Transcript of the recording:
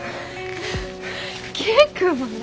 景君もね。